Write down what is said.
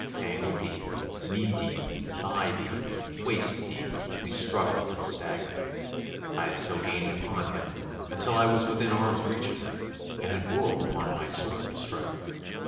Ankle deep, knee deep, thigh deep, waist deep, we struggled and staggered, I still gaining upon him, until I was within arm's reach of him, and had whirled up my sword to strike.